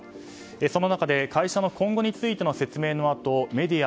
その中で会社の今後についての説明のあとメディア